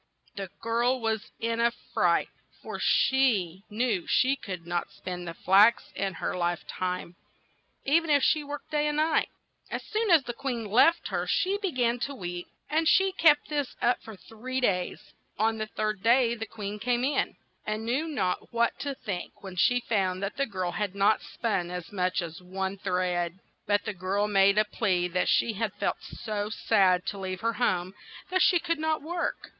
The girl was in a fright, for she knew she could not spin the flax in her life time, e ven if she worked day and night. As soon as the queen left her she be gan to weep, and she kept this up for three days. On the third day the queen came in, and knew not what to think when she found that the girl had not yet spun as much as one thread. But the girl made a plea that she had felt so sad to leave her home that she could not work.